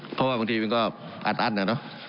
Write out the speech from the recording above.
เพราะว่าบางทีมันก็อัดอั้นนะเนอะ